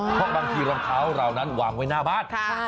เพราะบางทีรองเท้าเรานั้นวางไว้หน้าบ้าน